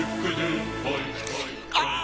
ああ！